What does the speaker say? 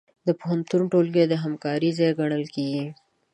د پوهنتون ټولګي د همکارۍ ځای ګڼل کېږي.